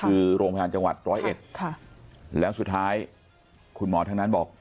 คือโรงพยาบาลจังหวัดร้อยเอ็ดแล้วสุดท้ายคุณหมอทั้งนั้นบอก